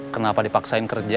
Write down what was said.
kenapa dipaksain kerja